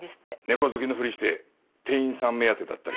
猫好きのふりして店員さん目当てだったりしてな。